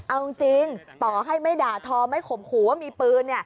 เอาจริงต่อให้ไม่ด่าทอไม่ข่มขู่ว่ามีปืน